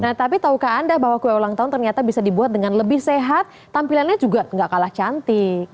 nah tapi tahukah anda bahwa kue ulang tahun ternyata bisa dibuat dengan lebih sehat tampilannya juga gak kalah cantik